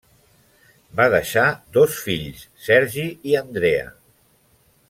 Va deixar dos fills, Sergi i Andrea.